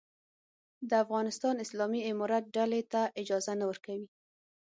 د افغانستان اسلامي امارت ډلې ته اجازه نه ورکوي.